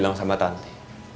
aku mau ngerti